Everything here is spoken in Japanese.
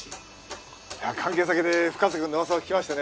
関係先で深瀬君の噂を聞きましてね